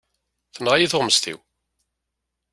Tenɣa-yi tuɣmest-iw.